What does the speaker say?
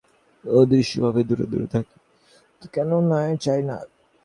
অদৃশ্যভাবে দূরে দূরে থাকিয়া কেন যায় নাই?